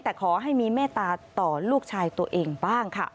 แต่ขอให้มีเมตตาต่อลูกชายตัวเองบ้างค่ะ